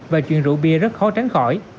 và chuyện rượu bia rất khó tránh khỏi